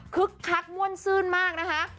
คักม่วนซื่นมากนะคะ